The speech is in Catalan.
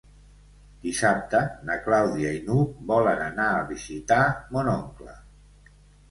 Dissabte na Clàudia i n'Hug volen anar a visitar mon oncle.